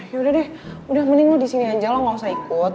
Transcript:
yaudah deh udah mending lo disini aja lo gak usah ikut